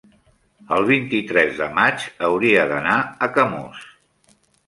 el vint-i-tres de maig hauria d'anar a Camós.